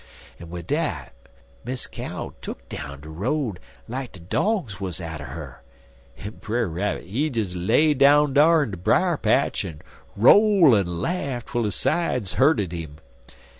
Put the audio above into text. "En wid dat, Miss Cow tuck down de road like de dogs wuz atter er, en Brer Rabbit, he des lay down dar in de brier patch en roll en laugh twel his sides hurtid 'im.